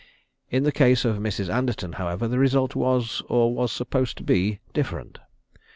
In the case of Mrs. Anderton, however, the result was, or was supposed to be, different.